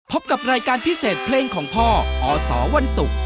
พบกับรายการพิเศษเพลงของพ่ออสวันศุกร์